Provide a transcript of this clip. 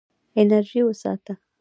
انرژي وساته.